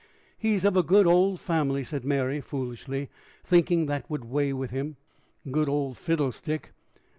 "He's of a good old family!" said Mary, foolishly, thinking that would weigh with him. "Good old fiddlestick!